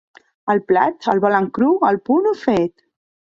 El plat, el volen cru, al punt o fet?